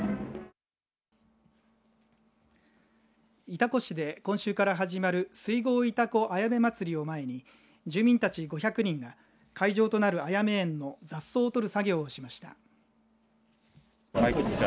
潮来市で今週から始まる水郷潮来あやめまつりを前に住民たち５００人が会場となる、あやめ園の雑草を取る作業をしました。